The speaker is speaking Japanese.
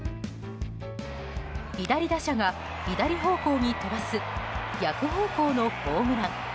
左打者が左方向に飛ばす逆方向のホームラン。